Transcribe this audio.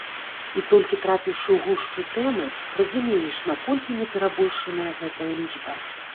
І толькі трапіўшы ў гушчу тэмы, разумееш, наколькі не перабольшаная гэтая лічба.